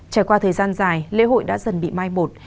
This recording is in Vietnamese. trải qua thời gian dài lễ hội đã dần bị mai một